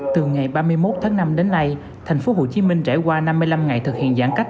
từ ngày ba mươi một tháng năm đến nay thành phố hồ chí minh trải qua năm mươi năm ngày thực hiện giãn cách